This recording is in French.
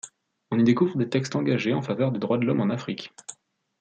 On y découvre des textes engagés en faveur des droits de l’homme en Afrique.